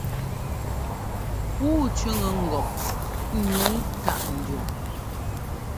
Pûu cʉ́ŋɛ ŋgɔp nǔu táʼ ndiɔn.